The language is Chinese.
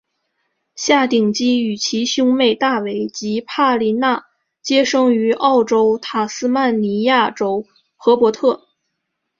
夏鼎基与其兄妹大卫及帕米娜皆生于澳洲塔斯曼尼亚州荷伯特。